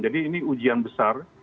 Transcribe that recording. jadi ini ujian besar